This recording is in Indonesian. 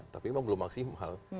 tapi memang belum maksimal